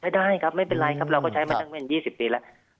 ไม่ได้ครับไม่เป็นไรครับเราก็ใช้มาตั้งเป็น๒๐ปีแล้ว